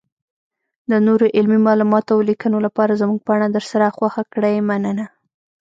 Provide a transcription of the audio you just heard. -دنورو علمي معلوماتو اولیکنو لپاره زمونږ پاڼه درسره خوښه کړئ مننه.